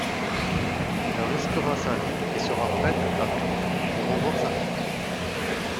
Elle risquera sa vie et sera prête à tout pour revoir sa fille.